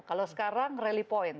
kalau sekarang rally point